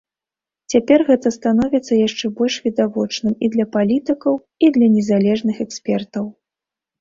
Цяпер гэта становіцца яшчэ больш відавочным і для палітыкаў, і для незалежных экспертаў.